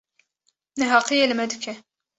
neheqiyê li me dike.